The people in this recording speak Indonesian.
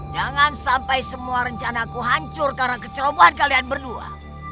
jangan sampai semua rencana aku hancur karena kecerobohan kalian berdua